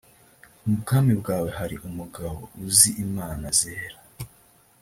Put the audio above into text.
mu bwami bwawe hari umugabo uzi imana zera